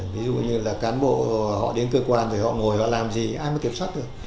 ví dụ như là cán bộ họ đến cơ quan thì họ ngồi họ làm gì ai mới kiểm soát được